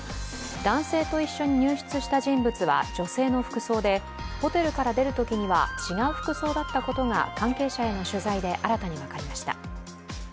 男性と一緒に入室した人物は女性の服装で、ホテルから出るときには違う服装だったことが関係者への取材で新たに分かりました。